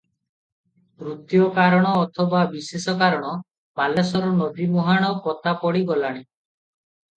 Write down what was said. ତୃତୀୟ କାରଣ ଅଥବା ବିଶେଷ କାରଣ, ବାଲେଶ୍ୱର ନଦୀ ମୁହାଣ ପୋତା ପଡି ଗଲାଣି ।